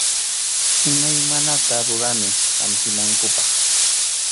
Imaymanata rurani hampinankupaq.